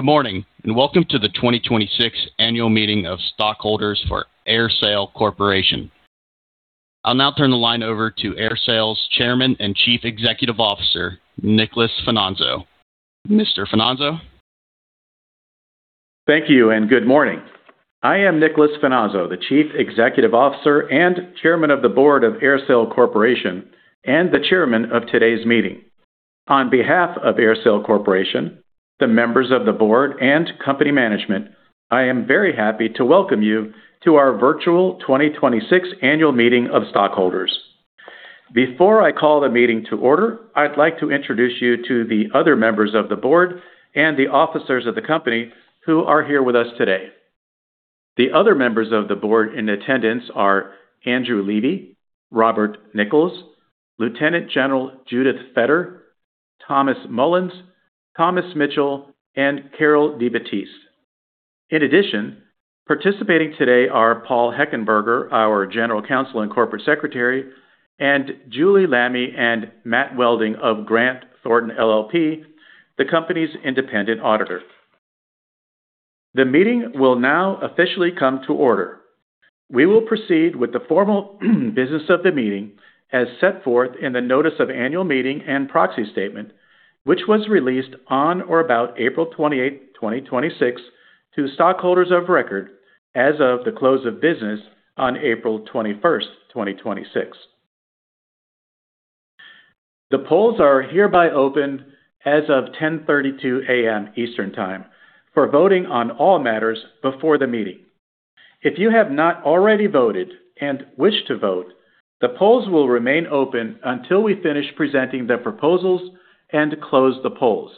Good morning, and welcome to the 2026 Annual Meeting of Stockholders for AerSale Corporation. I'll now turn the line over to AerSale's Chairman and Chief Executive Officer, Nicolas Finazzo. Mr. Finazzo? Thank you, and good morning. I am Nicolas Finazzo, the Chief Executive Officer and Chairman of the Board of AerSale Corporation, and the chairman of today's meeting. On behalf of AerSale Corporation, the members of the board, and company management, I am very happy to welcome you to our virtual 2026 Annual Meeting of Stockholders. Before I call the meeting to order, I'd like to introduce you to the other members of the board and the officers of the company who are here with us today. The other members of the board in attendance are Andrew Levy, Robert Nichols, Lieutenant General Judith A. Fedder, Thomas Mullins, Thomas Mitchell, and Carol DiBattiste. In addition, participating today are Paul Hechenberger, our General Counsel and Corporate Secretary, and Julie Lamme and Matt Welding of Grant Thornton LLP, the company's independent auditor. The meeting will now officially come to order. We will proceed with the formal business of the meeting as set forth in the Notice of Annual Meeting and Proxy Statement, which was released on or about April 28, 2026 to stockholders of record as of the close of business on April 21st, 2026. The polls are hereby opened as of 10:32 A.M. Eastern Time for voting on all matters before the meeting. If you have not already voted and wish to vote, the polls will remain open until we finish presenting the proposals and close the polls.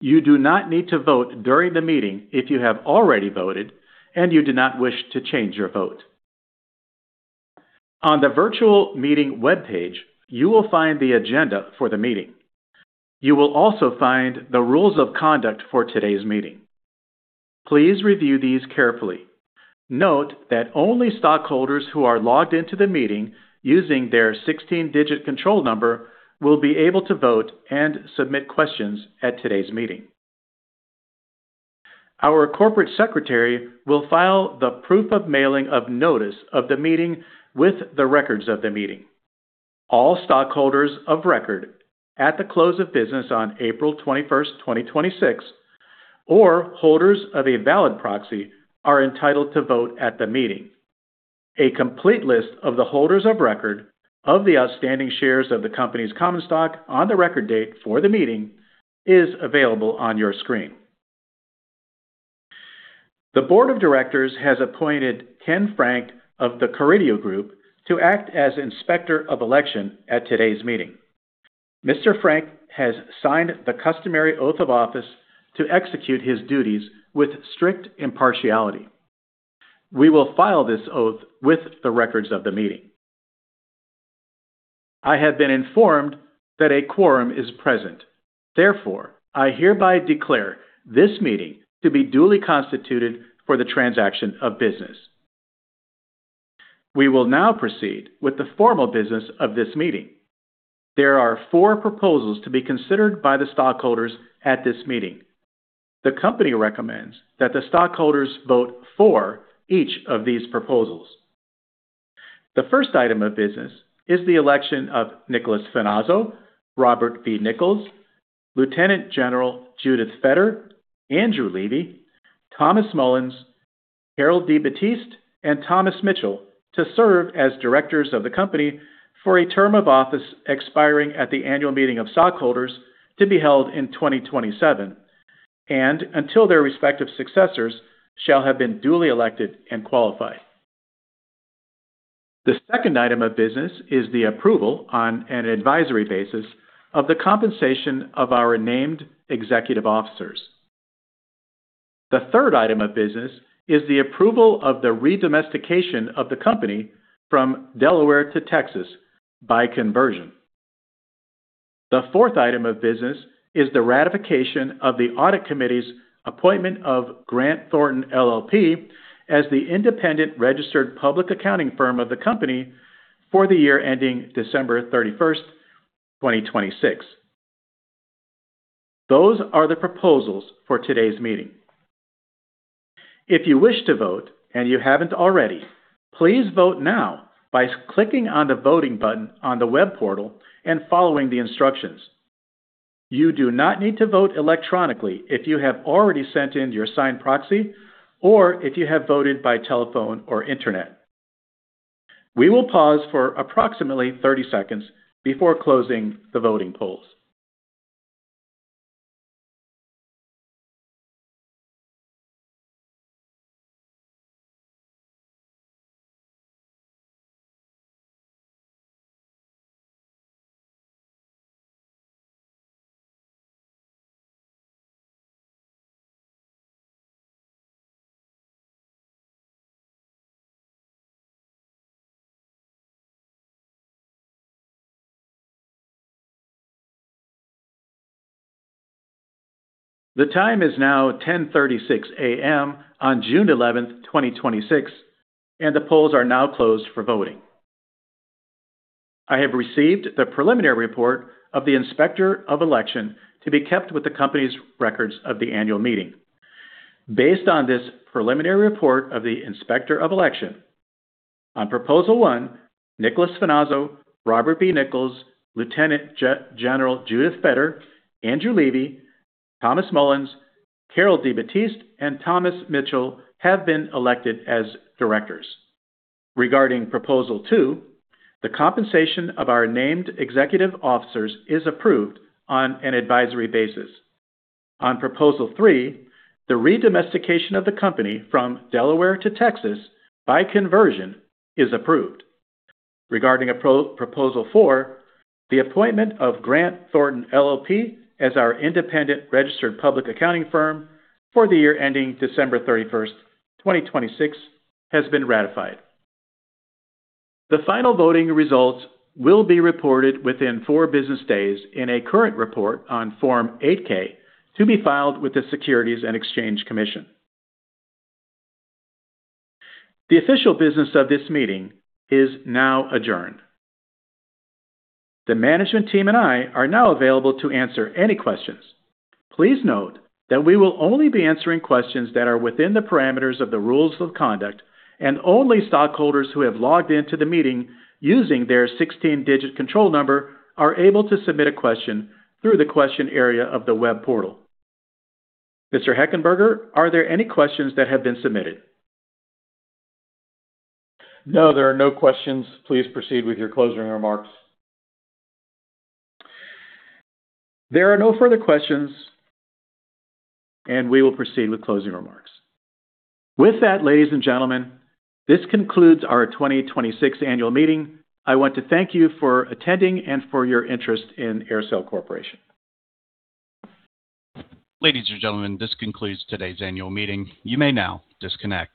You do not need to vote during the meeting if you have already voted and you do not wish to change your vote. On the virtual meeting webpage, you will find the agenda for the meeting. You will also find the rules of conduct for today's meeting. Please review these carefully. Note that only stockholders who are logged into the meeting using their 16-digit control number will be able to vote and submit questions at today's meeting. Our corporate secretary will file the proof of mailing of notice of the meeting with the records of the meeting. All stockholders of record at the close of business on April 21st, 2026, or holders of a valid proxy, are entitled to vote at the meeting. A complete list of the holders of record of the outstanding shares of the company's common stock on the record date for the meeting is available on your screen. The Board of Directors has appointed Ken Frank of the Carideo Group to act as Inspector of Election at today's meeting. Mr. Frank has signed the customary oath of office to execute his duties with strict impartiality. We will file this oath with the records of the meeting. I have been informed that a quorum is present. Therefore, I hereby declare this meeting to be duly constituted for the transaction of business. We will now proceed with the formal business of this meeting. There are 4 proposals to be considered by the stockholders at this meeting. The company recommends that the stockholders vote for each of these proposals. The first item of business is the election of Nicolas Finazzo, Robert B. Nichols, Lieutenant General Judith Fedder, Andrew Levy, Thomas Mullins, Carol DiBattiste, and Thomas Mitchell to serve as directors of the company for a term of office expiring at the annual meeting of stockholders to be held in 2027 and until their respective successors shall have been duly elected and qualified. The second item of business is the approval on an advisory basis of the compensation of our named executive officers. The third item of business is the approval of the re-domestication of the company from Delaware to Texas by conversion. The fourth item of business is the ratification of the Audit Committee's appointment of Grant Thornton LLP as the independent registered public accounting firm of the company for the year ending December 31st, 2026. Those are the proposals for today's meeting. If you wish to vote and you haven't already, please vote now by clicking on the voting button on the web portal and following the instructions. You do not need to vote electronically if you have already sent in your signed proxy or if you have voted by telephone or internet. We will pause for approximately 30 seconds before closing the voting polls. The time is now 10:36 A.M. on June 11th, 2026, and the polls are now closed for voting. I have received the preliminary report of the Inspector of Election to be kept with the company's records of the annual meeting. Based on this preliminary report of the Inspector of Election, on Proposal One, Nicolas Finazzo, Robert B. Nichols, Lieutenant General Judith Fedder, Andrew Levy, Thomas Mullins, Carol DiBattiste, and Thomas Mitchell have been elected as directors. Regarding Proposal Two, the compensation of our named executive officers is approved on an advisory basis. On Proposal Three, the re-domestication of the company from Delaware to Texas by conversion is approved. Regarding Proposal Four, the appointment of Grant Thornton LLP as our independent registered public accounting firm for the year ending December 31st, 2026, has been ratified. The final voting results will be reported within 4 business days in a current report on Form 8-K to be filed with the Securities and Exchange Commission. The official business of this meeting is now adjourned. The management team and I are now available to answer any questions. Please note that we will only be answering questions that are within the parameters of the rules of conduct, and only stockholders who have logged into the meeting using their 16-digit control number are able to submit a question through the question area of the web portal. Mr. Hechenberger, are there any questions that have been submitted? No, there are no questions. Please proceed with your closing remarks. There are no further questions, and we will proceed with closing remarks. With that, ladies and gentlemen, this concludes our 2026 annual meeting I want to thank you for attending and for your interest in AerSale Corporation. Ladies and gentlemen, this concludes today's annual meeting. You may now disconnect.